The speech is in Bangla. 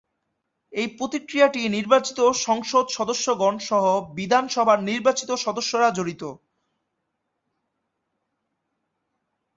এই প্রক্রিয়াটিতে নির্বাচিত সংসদ সদস্যগণ সহ বিধানসভার নির্বাচিত সদস্যরা জড়িত।